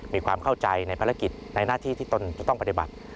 มีความเข้าใจในภารกิจในหน้าที่ที่ตนจะต้องปฏิบัติ